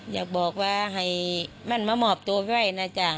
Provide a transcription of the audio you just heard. อยากบอกว่าให้มันมามอบตัวไว้นะจ๊ะ